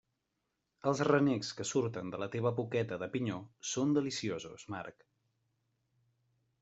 Els renecs que surten de la teva boqueta de pinyó són deliciosos, Marc.